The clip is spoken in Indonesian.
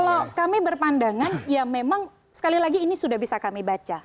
kalau kami berpandangan ya memang sekali lagi ini sudah bisa kami baca